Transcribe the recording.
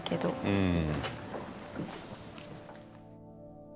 うん。